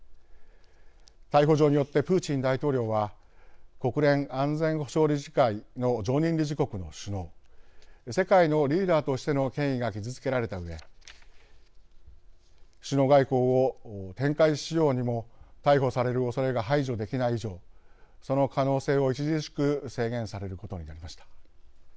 逮捕状によってプーチン大統領は国連安全保障理事会の常任理事国の首脳世界のリーダーとしての権威が傷つけられたうえ首脳外交を展開しようにも逮捕されるおそれが排除できない以上その可能性を著しく制限されることになりました。